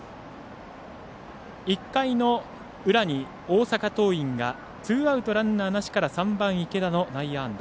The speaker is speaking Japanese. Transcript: １回の裏に大阪桐蔭がツーアウト、ランナーなしから３番、池田の内野安打。